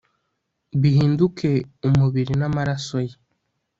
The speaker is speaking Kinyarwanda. bihinduke umubiri n'amaraso ye